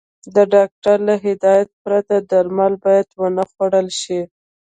د ډاکټر له هدايت پرته درمل بايد ونخوړل شي.